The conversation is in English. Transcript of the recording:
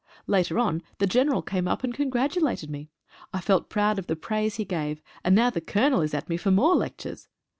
Later on the General came up and congratulated me. I felt proud of the praise he gave, and now the Colonel is at me for more lectures.